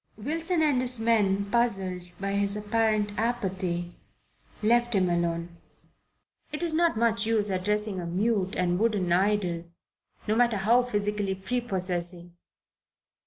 Wilson and his men, puzzled by his apparent apathy, left him alone. It is not much use addressing a mute and wooden idol, no matter how physically prepossessing.